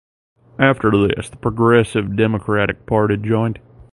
After this the Progressive Democratic Party joined.